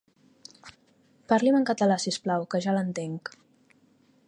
Parli'm en català, si us plau, que ja l'entenc.